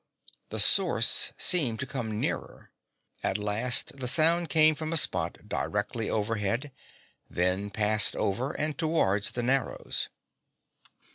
The source seemed to come nearer. At last the sound came from a spot directly overhead, then passed over and toward the Narrows.